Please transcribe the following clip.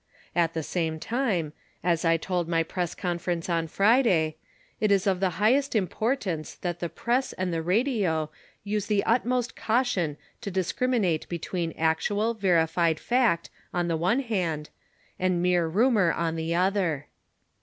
At the same time, as I told my Press Conference on Friday, it is of the highest importance that the press and the radio use the utmost caution to discriminate between actual verified fact on the one hand, and mere rumor on the other.